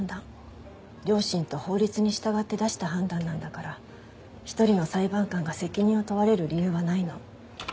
良心と法律に従って出した判断なんだから一人の裁判官が責任を問われる理由はないの。